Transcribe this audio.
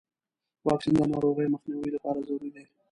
واکسین د ناروغیو مخنیوي لپاره ضروري دی.